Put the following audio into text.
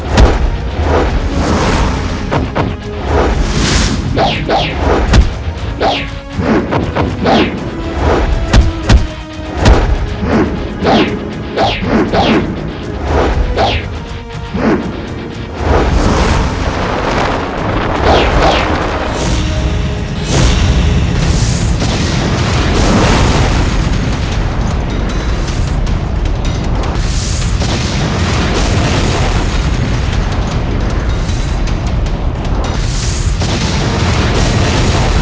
jangan lupa like share dan subscribe ya